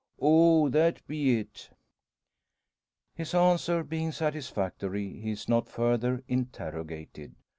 "Oh! that be it." His answer being satisfactory he is not further interrogated.